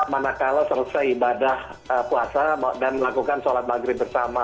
manakala selesai ibadah puasa dan melakukan sholat maghrib bersama